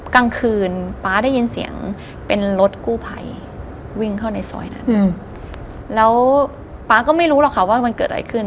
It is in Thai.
กลางคืนป๊าได้ยินเสียงเป็นรถกู้ภัยวิ่งเข้าในซอยนั้นแล้วป๊าก็ไม่รู้หรอกค่ะว่ามันเกิดอะไรขึ้น